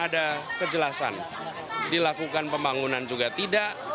karena ada kejelasan dilakukan pembangunan juga tidak